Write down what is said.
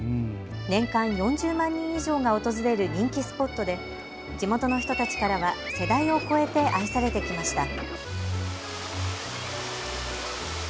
年間４０万人以上が訪れる人気スポットで地元の人たちからは世代をこえて愛されてきました。